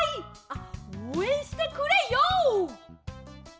あっおうえんしてくれＹＯ！